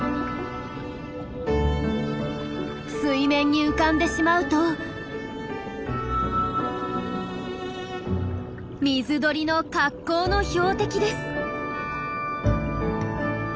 水面に浮かんでしまうと水鳥の格好の標的です。